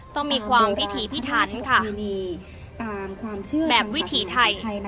ต้องมีความพิธีพิทัศน์ค่ะแบบวิถีไทย